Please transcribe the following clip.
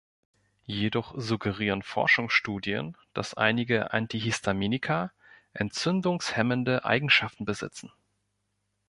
Jedoch suggerieren Forschungsstudien, dass einige Antihistaminika entzündungshemmende Eigenschaften besitzen.